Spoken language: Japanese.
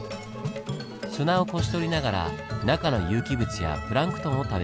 砂をこし取りながら中の有機物やプランクトンを食べます。